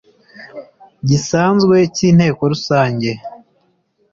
gisanzwe cy Inteko Rusange